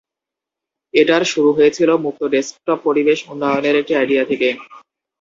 এটার শুরু হয়েছিলো মুক্ত ডেস্কটপ পরিবেশ উন্নয়নের একটি আইডিয়া থেকে।